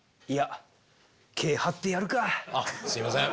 あっすいません。